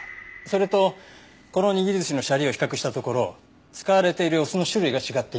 それとこの握り寿司のシャリを比較したところ使われているお酢の種類が違っていました。